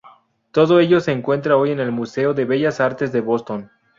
Todo ello se encuentra hoy en el Museo de Bellas Artes de Boston.